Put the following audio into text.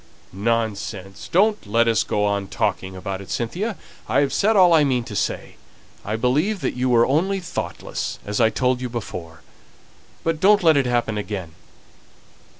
"Nonsense. Don't let us go on talking about it, Cynthia! I've said all that I mean to say. I believe that you were only thoughtless, as I told you before. But don't let it happen again."